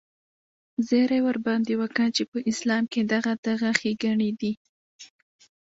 زيرى ورباندې وکه چې په اسلام کښې دغه دغه ښېګڼې دي.